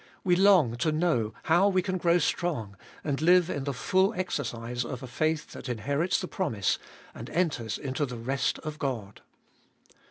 We long to know how we can grow strong, and live in the full exercise of a faith that inherits the promise and enters into the rest of God.